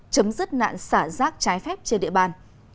chấm dứt nạn xả rác trái phép trên địa bàn